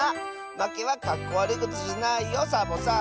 まけはかっこわるいことじゃないよサボさん。